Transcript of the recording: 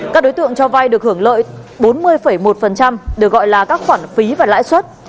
các đối tượng cho vay được hưởng lợi bốn mươi một được gọi là các khoản phí và lãi suất